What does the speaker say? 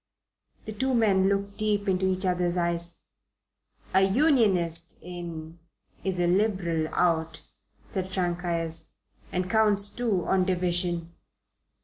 The two men looked deep into each other's eyes. "A Unionist in is a Liberal out," said Frank Ayres, "and counts two on division.